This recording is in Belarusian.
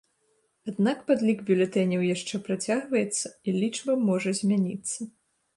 Аднак падлік бюлетэняў яшчэ працягваецца і лічба можа змяніцца.